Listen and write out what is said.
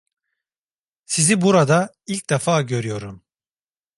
Sizi burada ilk defa görüyorum!